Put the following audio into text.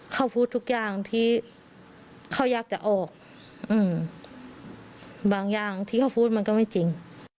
เขาพูดทุกอย่างที่เขาอยากจะออกบางอย่างที่เขาพูดมันก็ไม่จริง